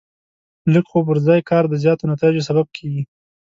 لږ خو پر ځای کار د زیاتو نتایجو سبب کېږي.